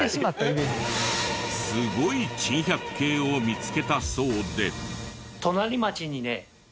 すごい珍百景を見つけたそうで。